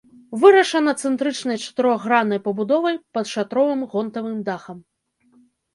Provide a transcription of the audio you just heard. Вырашана цэнтрычнай чатырохграннай пабудовай пад шатровым гонтавым дахам.